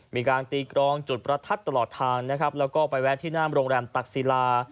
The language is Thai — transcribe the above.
มีการตีกรองจุดประทัดตลอดทางแล้วก็ไปแวะคู่น่านโรงแรมตักซีลา